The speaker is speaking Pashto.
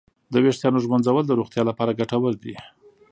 د ویښتانو ږمنځول د روغتیا لپاره ګټور دي.